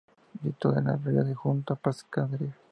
Situado en la ría y junto a Pescadería.